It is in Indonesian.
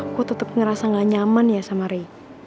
aku tetep ngerasa gak nyaman ya sama ray